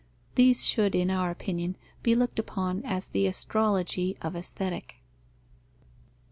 These should in our opinion be looked upon as the astrology of Aesthetic.